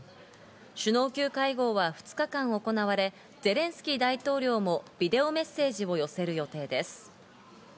首脳級会合は２日間行われ、ゼレンスキー大統領もビデオメッセージを寄せる予定です。